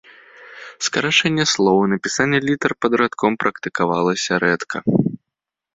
Скарачэнне слоў і напісанне літар пад радком практыкавалася рэдка.